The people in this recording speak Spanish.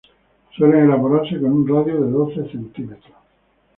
Suelen elaborarse con un radio de doce centímetros.